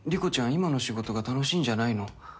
今の仕事が楽しいんじゃないの？